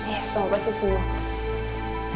iya aku pasti sembuh